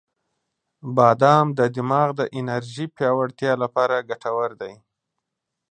• بادام د دماغ د انرژی پیاوړتیا لپاره ګټور دی.